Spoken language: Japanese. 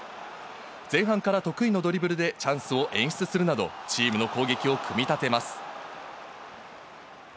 前半から得意のドリブルでチャンスを演出するなど、チームの攻撃を組み立てます。